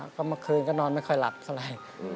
ก็เมื่อคืนก็นอนไม่ค่อยหลับสลาย